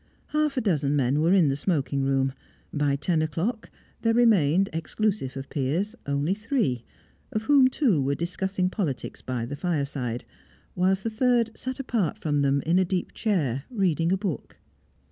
Half a dozen men were in the smoking room; by ten o'clock there remained, exclusive of Piers, only three, of whom two were discussing politics by the fireside, whilst the third sat apart from them in a deep chair, reading a book.